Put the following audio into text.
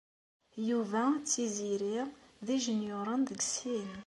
Yuba d Tiziri d ijenyuṛen deg sin.